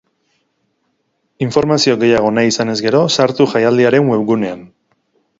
Informazio gehiago nahi izanez gero, sartu jaialdiaren web gunean.